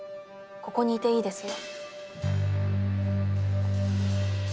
ここにいていいですよ。